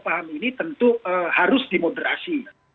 paham ini tentu harus dimoderasi